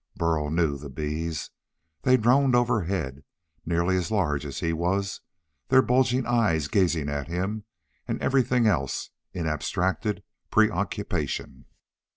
Burl knew the bees. They droned overhead, nearly as large as he was, their bulging eyes gazing at him and everything else in abstracted preoccupation.